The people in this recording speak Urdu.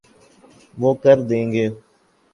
وہ کر دیں گے۔